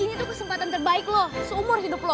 ini tuh kesempatan terbaik loh seumur hidup lo